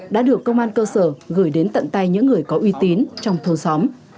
đã được công an cơ sở gửi đến tận tay những người có uy tín trong thôn xóm